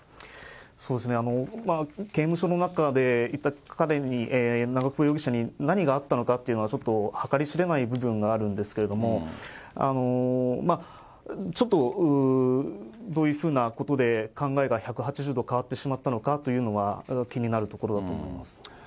刑務所の中で、一体彼に、長久保容疑者に何があったのかというのは、ちょっと計り知れない部分があるんですけれども、ちょっとどういうふうなことで考えが１８０度変わってしまったのかというのは、気になるところだと思います。